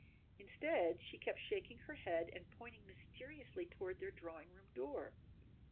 Instead she kept shaking her head and pointing mysteriously toward their drawing room door.